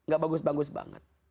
gak bagus bagus banget